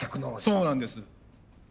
そうなんです。